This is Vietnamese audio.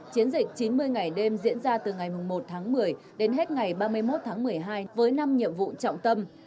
chiến dịch chín mươi ngày đêm diễn ra từ ngày một tháng một mươi đến hết ngày ba mươi một tháng một mươi hai với năm nhiệm vụ trọng tâm